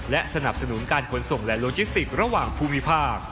และสนับสนุนการขนส่งและโลจิสติกระหว่างภูมิภาค